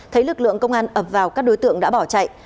thấy lực lượng công an ập vào các đối tượng đã bỏ chạy